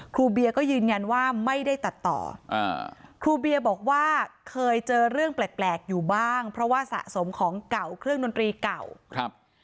ครูเบียก็ยืนยันว่าไม่ได้ตัดต่ออ่าครูเบียบอกว่าเคยเจอเรื่องแปลกอยู่บ้างเพราะว่าสะสมของเก่าเครื่องดนตรีเก่าครับ